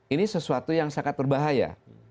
ini sesuatu yang sangat berbahaya